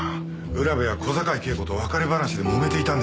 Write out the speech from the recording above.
浦部は小坂井恵子と別れ話で揉めていたんでしょう。